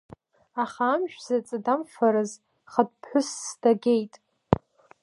Аха амшә заҵа дамфарыз, хатә ԥҳәысс дагеит.